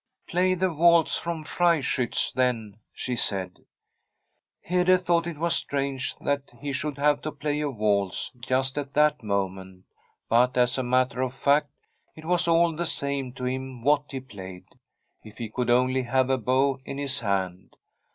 ' Play the waltz from " Freischiitz," then,' she said. [II] Fr9m a SfFEDISH HOMESTEAD Hede thought it was strange that he should have to play a waltz just at that moment, but, as a matter of fact, it was all the same to him what he played, if he could only have a bow in his hand.